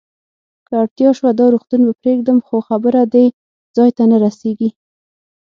که اړتیا شوه، دا روغتون به پرېږدم، خو خبره دې ځای ته نه رسېږي.